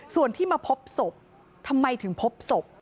ส่วนที่มาพบศพทำไมถึงพบศพ